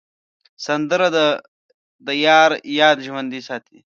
سندره د یار یاد ژوندی ساتي